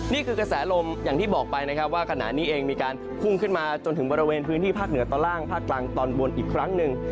นี่คือกระแสลมอย่างที่บอกไปนะครับว่าขณะนี้เองมีการพุ่งขึ้นมาจนถึงบริเวณพื้นที่ภาคเหนือตอนล่างภาคกลางตอนบนอีกครั้งหนึ่ง